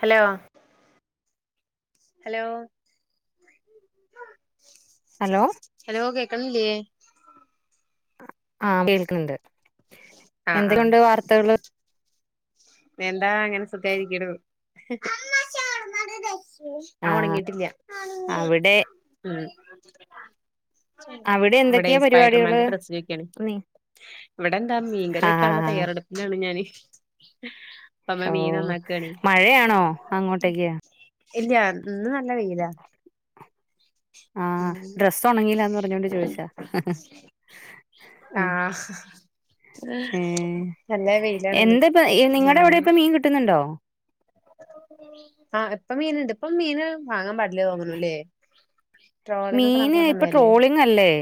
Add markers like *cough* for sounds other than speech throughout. Hello hello hello hello കേക്കണില്ല്യേ? ആ കേൾക്കുണുണ്ട്, ആഹ് ആഹ് എന്തൊക്കെയുണ്ട് വാർത്തകള്? എന്താ, അങ്ങനെ സുഖായിരിക്കിണു. ആ ആഹ് ഒണങ്ങീട്ടില്യ അവിടെ മ് അവിടെ ഇവിടെ എന്തൊക്കെയാ പരിപാടികള് സ്പൈഡർമാന്റെ ഡ്രസ്സ് ചോയ്ക്കാണ്. നീ ഇവിടെ എന്താ മീൻകറി വെയ്ക്കാനുള്ള ആഹ് തയ്യാറെടുപ്പിലാണ് ഞാന്. *inaudible* *unintelligible* ഓ മീൻ നന്നാക്കാണേ മഴയാണോ അങ്ങോട്ടേക്ക്? ഇല്ല്യ ഇന്ന് നല്ല വെയിലാ. ആ ഉം ഡ്രസ്സ് ഉണങ്ങീല്ലന്ന് പറഞ്ഞോണ്ട് ചോയിച്ചാ. ആഹ് ഏ നല്ല വെയിലാണിന്ന് എന്താ ഇപ്പ നിങ്ങളടെ ഉം അവിടെയൊക്കെ ഇപ്പ മീൻ കിട്ടുന്നുണ്ടോ ആ ഇപ്പ മീൻ ഇണ്ട് ഇപ്പ മീന് വാങ്ങാൻ പാടില്ല തോങ്ങണല് ഇല്ലേ മീൻ ഇപ്പൊ ട്രോളിങ് അല്ലേ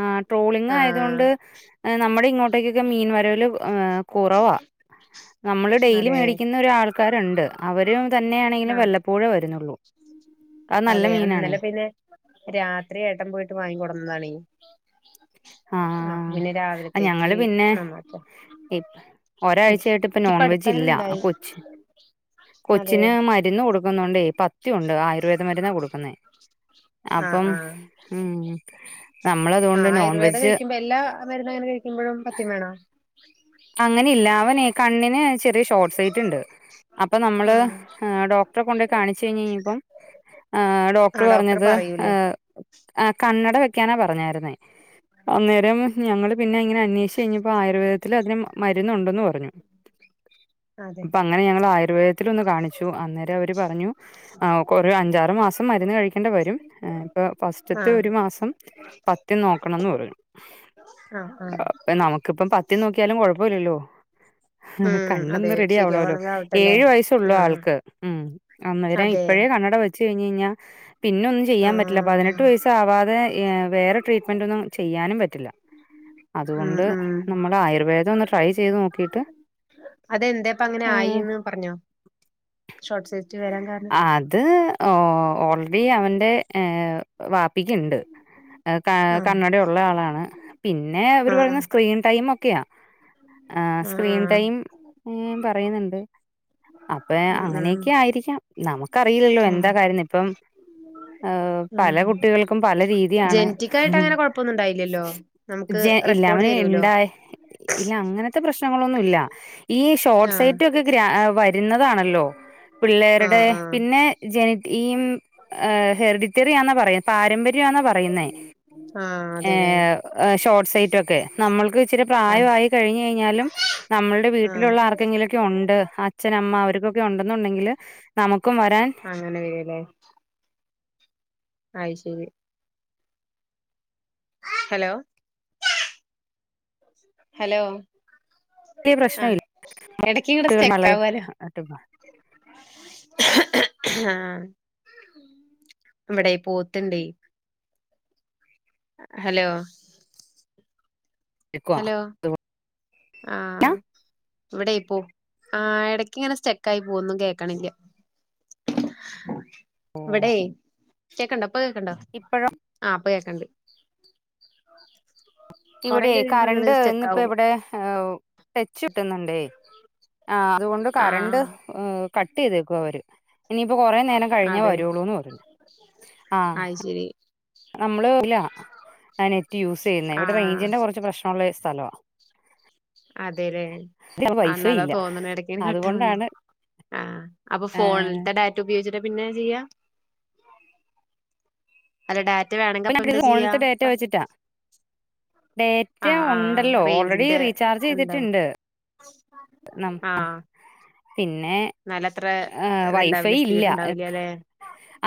ആ ട്രോളിങ് ആഹ് ആയതുകൊണ്ട് നമ്മുടെ ഇങ്ങോട്ടേക്കൊക്കെ മീൻ വരല് ആ.. കുറവാ നമ്മള് ഡെയിലി അതെ മേടിക്കുന്ന ഒരാൾ.. ആൾക്കാരുണ്ട് അവര് തന്നെയാണെങ്കിലും ആഹ് വല്ലപ്പോഴും വരുന്നുള്ളൂ അത് നല്ല അതെ മീനാണേ ഇന്നലെ പിന്നെ- രാത്രി ഏട്ടൻ പോയിട്ട് വാങ്ങിക്കൊടന്നതാണീ.. ആഹ് ഞങ്ങള് പിന്നെ നന്നാക്കാം ഇപ്പ് ഒരാഴ്ചയായിട്ട് ഇപ്പ നോൺവെജ് അടുത്തങ്ങനെ ഇല്ല ഇണ്ടായി കൊച്ചി അതെ കൊച്ചിന് മരുന്ന് കൊടുക്കുന്നോ ണ്ടേ പ ത്യുണ്ട് ആയുർവേദ മരുന്നാണ് കൊടുക്കുന്നെ ആഹ് അപ്പം ആഹ് മ്മ് നമ്മളതുകൊണ്ട് നോൺവെജ് ക്കുമ്പ എല്ലാ മരുന്നും അങ്ങനെ കഴിക്കുമ്പഴും പത്യം വേണോ അങ്ങനെയില്ല അവനെ കണ്ണിന് ചെറിയ ഷോർട്ട് സൈറ്റ് ണ്ട് അപ്പൊ നമ്മള് ആഹ് ഏഹ് ഡോക്ടറെ കൊണ്ടോയി കാണിച്ച്കഴിഞ്ഞിഞ്ഞപ്പം ഏഹ് ഡോക്ടറ് ആഹ് ഡോക്ടർ പറഞ്ഞത് പറയൂലേ ഏഹ് ആ കണ്ണട വെക്കാനാ പറഞ്ഞാരുന്നേ അന്നേരം ഞങ്ങള് പിന്നെ ഇങ്ങ് അന്വേഷി കഴിഞ്ഞപ്പോ ആയുർവേദ ത്തില് അതിന് മരുന്നൊണ്ടെന്ന് പ റഞ്ഞു അതെ ഇപ്പ അങ്ങനെ ഞങ്ങള് ആയുർവേദത്തിലൊന്ന് കാണിച്ചു അന്നേരം അവര് പറഞ്ഞു അവുക്ക് ഒരു അഞ്ചാറ് മാസം മരുന്ന് കഴിക്കണ്ട വരും ഏഹ് ഇപ്പം ഫസ്റ്റത്തെ ആഹ് ഒരു മാസം പത്യം നോക്കണംന്ന് പറഞ്ഞു ആഹ് ആഹ് നമുക്കിപ്പം പത് *unintelligible* കൊഴപ്പോല്ലല്ലോ. ഉം അതെ കണ്ണൊന്ന് റെഡിയാവണോല്ലോ ശരിയാവാണെങ്കിൽ ആവട്ടെല്ലേ ഏഴ് വയസ് ഉള്ളൂ ആഹ് ആൾക്ക്. അന്നേര അതെ ഇപ്പഴേ കണ്ണട വ ച്ച് കഴിഞ്ഞെയ്ഞ്ഞാ, പിന്നൊന്നും ചെയ്യാൻ പറ്റില്ല ആഹ് പതിനെട്ട് വയസാവാതെ എ വേറെ ട്രീറ്റ് മെൻ്റൊന്നും ചെയ്യാനും പറ്റില്ല. ഉം അതുകൊണ്ട്, ഉം നമ്മള് ആയുർവേദം ഒന്ന് ട്രൈ ചെയ്ത് നോക്കീട്ട് അതെന്തേപ്പ അങ്ങനെ ഏ ആയിന്ന് പറഞ്ഞോ ഷോർട്ട് സേറ്റ് വരാൻ കാരണം അത് ഓ ഓൾ റെഡി അവൻ ൻ്റെ ഏ വാ പ്പിക്ക്ണ്ട് എ ക‌ ആഹ് കണ്ണടയുള്ള ആളാണ് പിന്നെ ഇവര് ആഹ് പറയുന്നു സ്ക്രീൻ *unintelligible* മൊക്കെയാ ആ ആഹ് സ്‌ക്രീൻ ആഹ് ടൈം പറയുന്നുണ്ട്. അപ്പഴേ ഉം ഉം അങ്ങനെയൊക്കെയായിരിക്കാം നമുക്കറിയില്ലല്ലോ എന്താ ആഹ് കാര്യം ന്ന് ഇപ്പം എഹ് പല കുട്ടികൾക്കും പല രീതിയാണ്. ജെനിറ്റിക് ആയിട്ട് അങ്ങനെ കൊഴപ്പൊന്നും ഉണ്ടാവില്ല്യല്ലോ. നമുക്ക് ജെ ഇല്ല റെക്കോർഡ് തരോലോ *unintelligible* ഇല്ല അങ്ങനത്തെ പ്രശ്നങ്ങളൊന്നുംല്ല ഈ ഷോർട്ട് ആഹ് സൈറ്റ് ഒക്കെ ഗ്രാ വരുന്നതാണല്ലോ പിള്ളേരുടെ ആഹ് ആഹ് പിന്നെ ജനി ഈം ഹേ ഹെർഡിത്തെറിയന്ന പറയാം പാരമ്പര്യാന്നാ പറയുന്നേ ആഹ് ഏ അതെല്ലേ ഷോർട്ട് സൈറ്റ് ഒക്കെ നമ്മൾ ഇത്തിരി ആഹ് പ്രായമായി കഴിഞ്ഞു കഴിഞ്ഞാലും നമ്മളുടെ ആഹ് വീട്ടിലുള്ള ആർക്കെങ്കിലുമൊക്കെ ഉണ്ട് അച്ഛനമ്മ അവർക്കൊക്കെ ഉണ്ടെന്നുണ്ടെങ്കില് നമുക്കും വരാൻ ചെയ്യല്ലേ ആയ് ശരി ഹലോ ഹലോ ല്ലിയ പ്രശ്ന ആഹ് എടക്ക് ഇങ്ങട് ഇല്ല സ്റ്റെക്ക് ആവാലോ *unintelligible* ആഹ് ഇവിടെ പോത്ത്ണ്ടേ ഹലോ ഹലോ ആഹ് ഇവിടെയി പോ ആ എടക്ക് ഇങ്ങനെ സ്റ്റെക്ക് ആയി പോവാ ഒന്നും കേക്കണില്ല. ഇവിടെയ് കേക്കണ്ടാ ഇപ്പ് ളപ്പ കേക്ക്ണ്ടോ ഇപ്പോഴും ആഹ് ഇപ്പ കേക്ക്ണ്ട്‌. ഇവിടെയെ കഴിയുമ്പോ ഇങ്ങട് കറണ്ട് ഇന്നിപ്പോ സ്റ്റെക്കാവും ഇവിടെ ടെച്ച് വെട്ടുന്നുണ്ടേ ആഹ് അതുകൊണ്ട് കറണ്ട് ആഹ് കട്ട് ചെയ്തേക്കുവാ അവര് ഇനിയിപ് ഇപ്പൊ കൊറേ നേരം കഴിഞ്ഞേ അതെ വരുള്ളൂന്ന് പറഞ്ഞു ആഹ്. അയ് ശരി നമ്മള് ഇല്ല നെറ്റ് യൂസ് ചെയ്യുന്നേ ഇവിടെ ആഹ് റേഞ്ചിന്റെ കൊറച്ച് പ്രശ്നൊള്ളെ സ്ഥലവാ അതെല്ലേ വൈഫൈ അന്നാതാ ഇല്ല തോന്നുന്നെ എടക്കിങ്ങനെ കാട്ടാവുണ്ട് അതുകൊണ്ടാണ് ആഹ് അപ്പൊ ഏഹ് ഫോണിൽത്തെ ഡാറ്റ ഉപയോഗിച്ചി പിന്നെ പിന്നെ ചെയ്യാ അല്ല ഡാറ്റ വേണമെങ്കി ഇപ്പൊ അപ്പ ഞങളിത് എന്താ ഇത് ചെയ്യാ ഫോണിലത്തെ ഡേറ്റ വെച്ചിട്ടാ ഡേറ്റ ആഹ് ആഹ് ഉണ്ടല്ലോ ഓൾറെഡി റേഞ്ചിന്റെ റീചാർജ് എന്താണ് ചെയ്തിട്ടുണ്ട് നം ആഹ് പിന്നെ എന്നാല അത്ര വൈഫൈ ഇത്ണ്ടാവില്ല ഇല്ല സ്പീഡ് ഉണ്ടാവില്ല അല്ലെ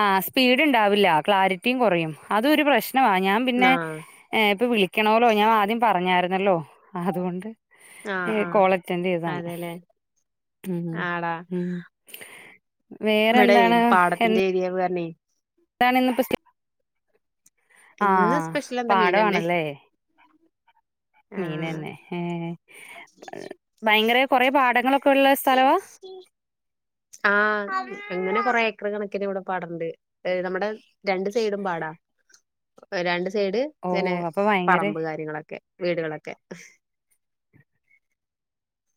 ആ സ്പീഡ് ഉണ്ടാവില്ല ക്ലാരിറ്റി- റ്റിയും കുറയും അതൊരു പ്രശ്നം ഞാൻ പിന്നെ ആഹ് ഇപ്പൊ വിളിക്കണമല്ലോ ഞാൻ ആദ്യം പറഞ്ഞായിരുന്നു അല്ലോ അതുകൊണ്ട് ആഹ് ആഹ് കോൾ അറ്റൻഡ് ചെയ്താണ് അതെല്ലേ ഉം ആടാ ഉം ഇവിടെ വേറെന്താണ് പാടത്തിന്റെ ഏരിയാന്ന് പർ ണേ അതാണ് ഇന്ന് ഇപ്പൊ സി - ഇന്ന് ആഹ് സ്പെഷ്യൽ എന്താ മീനന്നെ പാടമാണല്ലേ മീന് ആഹ് തന്നെ ഏഹ് ഭയങ്കര കൊറേ പാടങ്ങളൊക്കെയുള്ള സ്ഥലവാ ആഹ് അങ്ങനെ കൊറെ ഏക്കറ് കണക്കിന് ഇവിടെ പാടണ്ട് നമ്മടെ രണ്ട് സൈഡും പാടാ രണ്ട്- സൈഡ് ഓ പിന്നെ അപ്പൊ ഭയങ്കര പറമ്പ് കാര്യങ്ങളൊക്കെ. വീടുകളൊക്കെ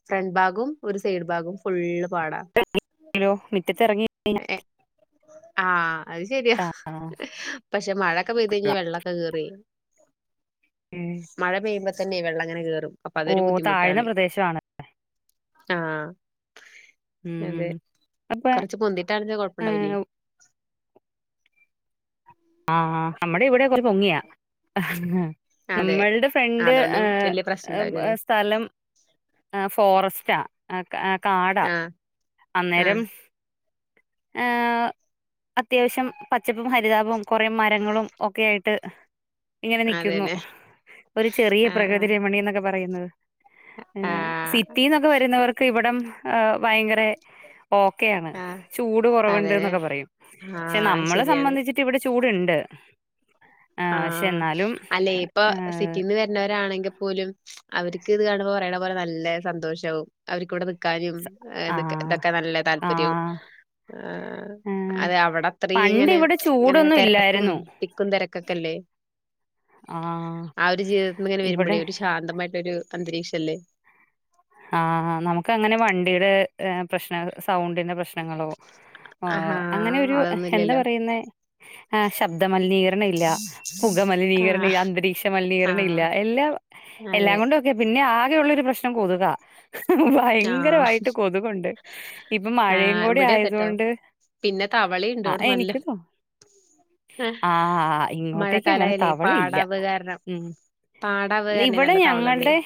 ഫ്രണ്ട് ബാഗും ഒരു സൈഡ് ബാഗും ഫുള് ഹലോ മുറ്റത്തിറങ്ങി കഴിഞ്ഞ ഏഹ് ആഹ് അത് ശരിയാ പക്ഷെ മഴൊക്കെ പെയ്ത് കഴിഞ്ഞാ വെള്ളൊക്കെ കേറി ഉം മഴ പെയ്പ തന്നെ വെള്ളംങ്ങനെ കേറും അപ്പൊ ഓ അതൊരു താഴ്ന്ന ബുദ്ധിമുട്ടാണ് പ്രദേശം ആണ് ആഹ് അതെ ഉം അപ്പൊ കൊറച്ച് പൊന്തിട്ടാണച്ചാ കൊഴപ്പുണ്ടാവില്ലേ ആഹ് നമ്മടെ ഇവിടെ പൊങ്ങിയ അതെ നമ്മളുടെ ഫ്രണ്ട് അതുകൊണ്ട് വല്യ പ്രശ്നം ഉണ്ടാവില്ലല്ലേ ങ് സ്ഥലം ഫോറസ്റ്റാ ആ കാടാ ആഹ് ആഹ് അന്നേരം ആ അത്യാവശ്യം പച്ചപ്പും ഹരിതാഭവും കുറെ മരങ്ങളും ഒക്കെ ആയിട്ട് ഇങ്ങനെ നിക്കുന്നു അതെല്ലേ ഒരു ചെറിയ ആഹ് പ്രകൃതി ആഹ് രമണിയ എന്നൊക്കെ പറയുന്നത് ങ് ആഹ് സിറ്റിന്നൊക്കെ വരുന്നവർക്ക് ഇവിടം ഭയങ്കര ഓക്ക ആാണ് ആഹ് ചൂട് കുറവുണ്ട് അതെല്ലേ എന്നൊക്കെ പറയും പക്ഷെ ആഹ് നമ്മളെ ശരിയാണ് സംബന്ധിച്ചിട്ട് ഇവിടെ ചൂടുണ്ട് ആ, പക്ഷെ ആഹ് എന്നാലും അല്ലെ ഇപ്പൊ ഏഹ്, സിറ്റിന്ന് വരുന്നവരാണെങ്കിൽ പോലും അവർക്ക് ഇത് കാണുമ്പോൾ പറയണ പോലെ നല്ല സന്തോഷവും അവർക്കൂടെ ക്കാന് സ- ആ ഇതൊക്കെ നല്ല ആ താല്പര്യവും ഏഹ്, അത് അവിടെ അത്രയും പണ്ട് ഇങ്ങനെ ഇവിടെ ഇങ്ങനെ ചൂടൊന്നും തിരക്കും ഇല്ലായിരുന്നു തരെക്കും തിരക്കും ക്കല്ലേ ആ ആ ഒരു ജീവിതങ്ങെ ഇവിടെ വരുമ്പോഴേ ശാന്തമായിട്ട് ഒരു അന്തരീക്ഷല്ലേ ആഹ് നമുക്ക് അങ്ങനെ വണ്ടിയുടെ പ്രശ്ന സൗണ്ടിന്റെ പ്രശ്നം ങ്ങളോ ആഹാ അങ്ങനെ ഒരു എന്താ അതൊന്നുംല്ലല്ലോ പറയുന്നെ ആഹ് ശബ്ദം മലിനീകരണം ഇല്ല പുക മലിനീകരണം ആഹ് ഇല്ല അന്തരീക്ഷ മലിനീകരണം ഇല്ല ആഹ് എല്ലാം എല്ലാം അതെ കൊണ്ടും ഒക്കെ പിന്നെ ആകെയുള്ളള്ളരു പ്രശ്നം കൊതുക ആഹ് ഭയങ്കരമായിട്ട് കൊതുകൊണ്ട് ഇപ്പൊ മഴയും ആഹ് കൂടി ഇവിടെ അതെട്ടോ ആയതുകൊണ്ട് പിന്നെ തവളയുണ്ട് ആ ഇവിടെ നല്ല എനിക്ക് തോന്ന ആ ഇങ്ങോട്ടേക്ക് അങ്ങനെ മഴക്കാലായാലേ തവള ഇല്ല പാടാവ് കാരണം ഉ പാടാവ് കാരണേ ഇവിടെ നല്ല തവളണ്ടേ ഞങ്ങളുടെ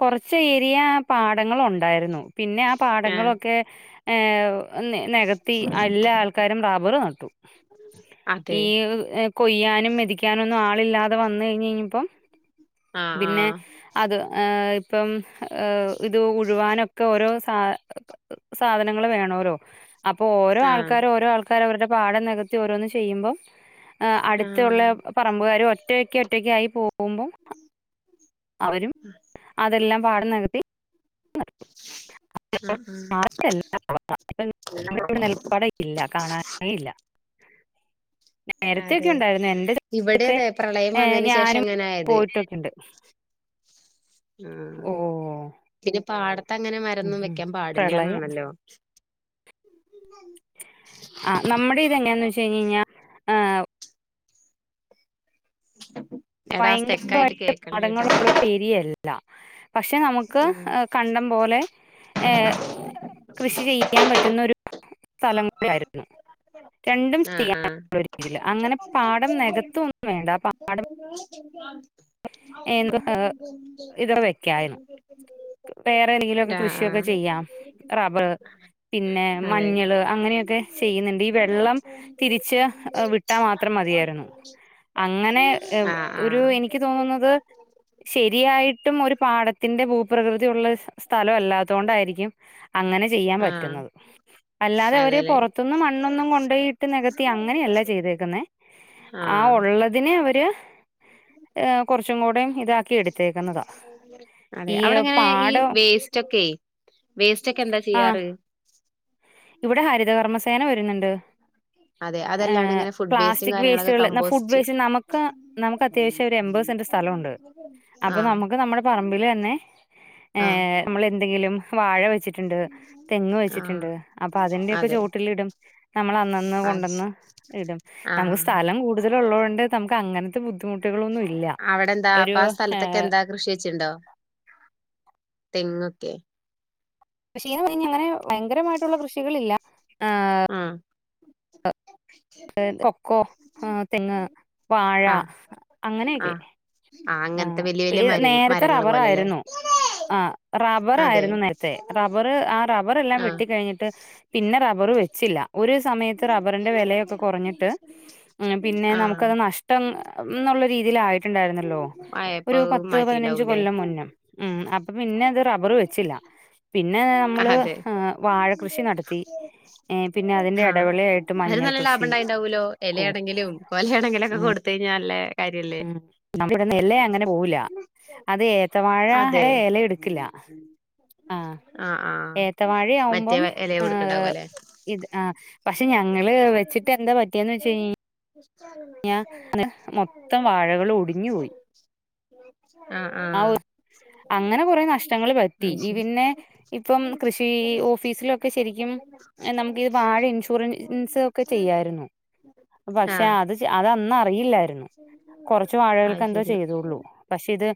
കൊറച്ച് ചെറിയ പാടങ്ങള ഉണ്ടായിരുന്നു പിന്നെ ആ ആഹ് പാടങ്ങളൊക്കെ ഏ നികത്തി എല്ലാ ആൾക്കാരും റബ്ബർ നട്ടു അതെ ഈ കൊയ്യാനും മെതിക്കാനും ഒന്നും ആളില്ലാതെ വന്ന കഴിഞ്ഞഞ് കഴിഞ്ഞപ്പം ആഹ് പിന്നെ ആഹ് അത് ഏ ഇപ്പം ഏ ഇത് ഉഴുവാനൊക്കെ ഓരോ സാ സാധനങ്ങൾ വേണല്ലോ അപ്പോ ഓര ആഹ് ആൾക്കാരും ഓരോ ആൾക്കർ ർ അവരുടെ പാഠം നികത്തി ഓരോന്ന് ചെയ്യുമ്പം ് ആഹ് അടുത്തുള്ള പറമ്പുകാരും ഒ ഒറ്റക്കക്ക് ഒറ്റക്കായിയി പോവും പോകുമ്പം അവരും അതെല്ലാം ആഹ് ആഹ് പാടുന്നകത്തിവിടെ നൽപ്പാട ഇല്ല കാണാന ഇല്ല നേരത്തെൊക്കെ അതെ ഉണ്ടായിരുന്നു ഇവിടെ എൻന്റെൊക്കെ അതെ പ്രളയം ഏർ വന്നതിന് ശേഷം ഞാനും അങ്ങനെ ആയത് പോയിട്ടൊക്കെുണ്ട് ആ പിന്നെ പാട അ അങ്ങനെ ഉം മരൊന്നും ഉം. വെക്കാൻ പ്രളയം പാടില്ലന്നാണല്ലോ ആ നമ്മുടെ ഇതങ്ങാന്ന് വച്ച കഴിഞ് കഴിഞ്ഞാ എടാ സ്റ്റെക്കായിട്ട് ഭയങ്കരമായിട്ട് കേക്കണില്ലട്ടോ പാടങ്ങളുള്ള ഏരിയത് ല്ല പക്ഷെ നമുക്ക് ആഹ് കണ്ടം പോലെ കൃഷി ചെയ്യാൻ പറ്റുന്നൊരു സ്ഥലം കൂടെ ആരുന്നു രണ്ടും ആഹ് ആഹ് ചെയ്യാനുള്ള രീതിൽ അങ്ങനെ പാടം നികത്ത് ഒന്നും വേണ്ടാ പാടം ഏ, നമുക്ക് വേറെതെങ്കിലുമൊക്കെ ടാ കൃഷിയൊക്കെ ആഹ് ചെയ്യാം റബർ പിന്നെ അതെ മഞ്ഞള് അങ്ങനെയൊക്കെ ചെയ്യുന്നു വെള്ളം തിരിച്ച് വിട്ടാൽ മാത്രം മതിയായിരുന്നു അങ്ങനെ ആഹ് ഒരു ആഹ് എനിക്ക് തോന്നുന്നത് ശരിയായിട്ടും ഒരു പാടത്തിന്റെ ഭൂ പ്രകൃതി ഉള്ള സ്ഥലംല്ലാത്ത കൊണ്ടായിരിക്കും അങ്ങനെ ചെയ്യാൻ ആഹ് പറ്റുന്നത് അല്ലാതെ അവര് അതെല്ലേ പുറത്തുന്നും മണ്ണൊന്നും കൊണ്ട് പോയിട്ട് നികത്തി അങ്ങനെയല്ല ചെയ്തേക്കുന്നെ ആ ആഹ് ഉള്ളതിനെ അവര് ഏ കുറച്ചും കൂടെയും ഇതാക്കി എടുത്തേക്കുന്നതാ അതെ അവിടെങ്ങനെ ഈ പാടം വേസ്റ്റ് ഒക്കെ വേസ്റ്റ്ക്കെ എന്താ ആ ചെയ്യാറ് ഇവിടെ ഹരിതകർമ്മസേന വരുന്നുണ്ട് അതെ ഏ അതല്ലാണ്ട് ഇങ്ങനെ ഫുഡ് വേസ്റ്റും പ്ലാസ്റ്റിക് കാര്യങ്ങളൊക്കെ വേസ്റ്റുകൾ എന്ന ഫുഡ് കമ്പോസ്റ്റ് വേസ്റ്റ് നമുക്ക് നമുക്ക് അത്യാവശ്യം ഒരു എമ്പത് സെന്റ് സ്ഥലമുണ്ട് അപ്പൊ ആഹ് നമുക്ക് നമ്മുടെ പറമ്പിൽ തന്നെ ഏ ആഹ് നമ്മൾ എന്തെങ്കിലും വാഴ വെച്ചിട്ടുണ്ട് തെങ്ങ് ആഹ് വെച്ചിട്ടുണ്ട് അപ്പൊ അതിന്റെയൊക്കെ അതെ ചോട്ടില് ഇടും നമ്മൾ അന്നന്ന് അത് ശ കൊണ്ടന്ന് ഇടും നമുക്ക് ആഹ് സ്ഥലം കൂടുതല്ള്ളത്ണ്ട് നമുക്ക് അങ്ങനെ അവിടെ എന്താ അപ്പൊ ആ സ്ഥലത്തൊക്കെ എന്താ കൃഷി വച്ചിണ്ടോ തെങ്ങൊക്കെ കൃഷീന്ന് പറഞ്ഞ അങ്ങനെ ഭയങ്കരമായിട്ടുള്ള കൃഷികളില്ല ആ കൊക്കോ ആ തെങ്ങ് വാഴ ആഹ് അങ്ങനെയൊക്കെ ആഹ് ആഹ് ആ അങ്ങനത്തെ വല്യ വല്യ മരങ്ങ നേരത്തെ മരങ്ങള് പോലെല്ലേ റബ്ബറായിരുന്നു ആ റബ്ബർ അതെ ആയിരുന്നു നേരത്തെ റബ്ബർ ആ റബ്ബർ എല്ലാം ആഹ് വെട്ടിക്കഴിഞ്ഞിട്ട് പിന്നെ റബ്ബർ വെ ച്ചില്ല ഒരു സമയത്ത് റബ്ബറിന്റെ വിലയെ കുറഞ്ഞിട്ട് പിന്നെ ആഹ് നമുക്കത് നഷ്ടം എന്നുള്ള രീതിയിൽ ആയിട്ടുണ്ടായിരുന്നല്ലോ ഒരു ആയപ്പോ പത്ത് പതിനഞ്ച് മാറ്റിണ്ടാവൂലേ കൊല്ലം മുന്നേ ഉ അപ്പൊ പിന്നെത് റബ്ബർ വെച്ചില്ല പിന്നെ നമ്മൾ അതെ വാഴകൃഷി നടത്തി പിന്നെ അതിന്റെ ഇടവിളായിട്ട് മഞ്ഞൾ കൃഷി ഇണ്ടായിണ്ടാവോല്ലോ എ കൂർ ലയാണെങ്കിലും കൊലയാണെങ്കിലും കൊടുത്തു കഴിഞ്ഞാല് നല്ല കാര്യല്ലേ ഉംനമ്മിടന്ന് ഇലയങ്ങന പോവൂല അതേ ഏത്തവാഴ അതെ ഏ എലയെടുക്കില്ല അ ആഹ് ആഹ് മറ്റേ ഏത്തവാഴയാകുമ്പം എല ഏ കൊടുക്കണ്ടാവും അല്ലെ ഇത് ആ പ പക്ഷേ ഞങ്ങള് വെച്ചിട്ടെന്താ പറ്റിയന്നുവെച്ച് ഴിഞ്ഞാ ഞാൻ മൊത്തം വാഴകളും ഒടിഞ്ഞു പോയി. ആഹ് ആ ആഹ് അങ്ങനെകുറെ നഷ്ടങ്ങൾ പറ്റി. അത് ഈ ശരി പിന്നെഇപ്പം കൃഷി ഓഫീസിലൊക്കെ ശരിക്കും നമുക്കിത് വാഴ ഇൻഷുറ ഇൻഷർ ഒക്കെ ചെയ്യുമായിരുന്നു. പക്ഷേ ആഹ് അത് ചെയ് അത് അന്നാ അറിയില്ലായി അത് കൊറച്ചുവാഴകൾക്കെന്തോ ശരി ചെയ്തുള്ളൂ. പക്ഷേ ഇത്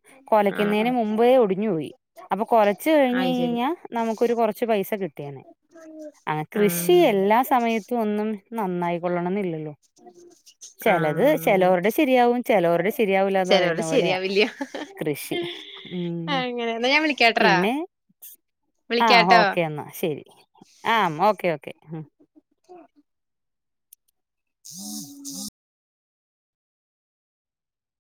ആഹ് കൊലയ്ക്കുന്നതിന് ആഹ് മുമ്പേയൊടിഞ്ഞുപോയി അപ്പൊ കൊറേ കൊലച്ച് കഴിഞ് അയ് ശരി കഴിഞ്ഞാൽ നമുക്കൊരു കൊറച്ചു പൈസ കിട്ടും. കിട്ടിയേനെ ആ ആഹ് കൃഷിയെല്ലാ സമയത്തു ഒന്നും നന്നായിക്കൊള്ളണംന്നില്ലല്ലോ ചെലത് ആഹ് ചെലവരുടെ സ് ശെരിയാവും ചെലവരുടെ ശെ ശരിയാവൂലാന്ന് ചെലോല് പറയുന്ന പോലെയാ കൃഷി ഉം ആ ഞാൻ വിളിക്കാംട്ട്റാ ആ ഓക്കേയെന്നാ ശെരി ആം ഓക്കെയോക്കെ